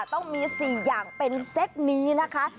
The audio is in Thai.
ต้องมี๔อย่างเป็นเซ็ตนี้นะคะ